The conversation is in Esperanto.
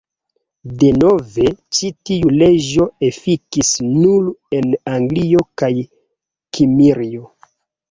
Denove, ĉi tiu leĝo efikis nur en Anglio kaj Kimrio.